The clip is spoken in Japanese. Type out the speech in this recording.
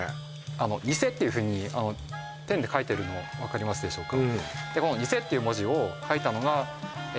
あのニセというふうにペンで書いてるのわかりますでしょうか